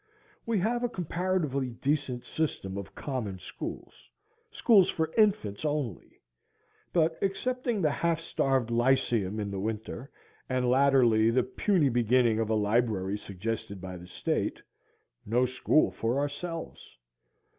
We have a comparatively decent system of common schools, schools for infants only; but excepting the half starved Lyceum in the winter, and latterly the puny beginning of a library suggested by the state, no school for ourselves.